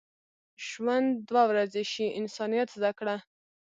ژوند دوه ورځې شي، انسانیت زده کړه.